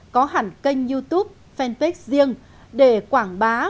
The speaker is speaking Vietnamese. có hẳn kênh youtube fanpage riêng